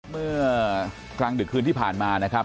เมื่อกลางดึกคืนที่ผ่านมานะครับ